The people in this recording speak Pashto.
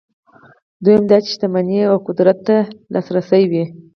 دویم دا چې شتمنۍ او قدرت ته لاسرسی وي.